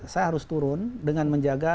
saya harus turun dengan menjaga